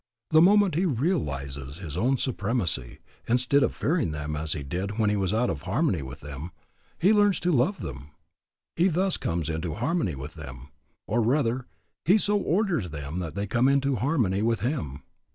The moment he realizes his own supremacy, instead of fearing them as he did when he was out of harmony with them, he learns to love them. He thus comes into harmony with them; or rather, he so orders them that they come into harmony with him.